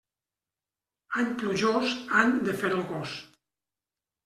Any plujós, any de fer el gos.